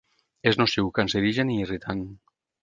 És nociu, cancerigen i irritant.